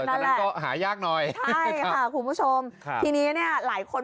ตอนนั้นก็หายากหน่อยใช่ค่ะคุณผู้ชมครับทีนี้เนี่ยหลายคน